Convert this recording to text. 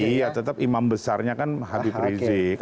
iya tetap imam besarnya kan habib rizik